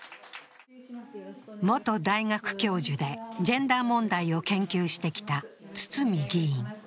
元大学教授でジェンダー問題を研究してきた堤議員。